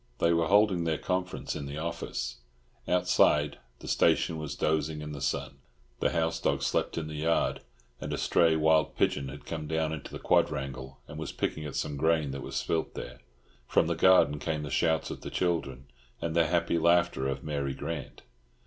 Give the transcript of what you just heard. They were holding their conference in the office. Outside, the station was dozing in the sun. The house dog slept in the yard, and a stray wild pigeon had come down into the quadrangle, and was picking at some grain that was spilt there. From the garden came the shouts of the children and the happy laughter of Mary Grant.